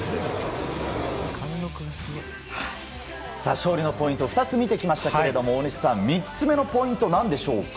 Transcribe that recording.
勝利のポイント２つ見ていきましたが大西さん、３つ目のポイント何でしょうか？